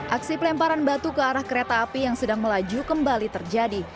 aksi pelemparan batu ke arah kereta api yang sedang melaju kembali terjadi